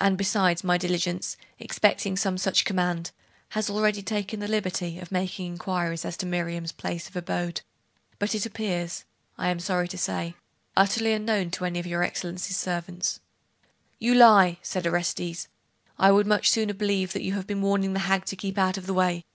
And besides, my diligence, expecting some such command, has already taken the liberty of making inquiries as to Miriam's place of abode; but it appears, I am sorry to say, utterly unknown to any of your Excellency's servants.' 'You lie!' said Orestes.... 'I would much sooner believe that you have been warning the hag to keep out of the way.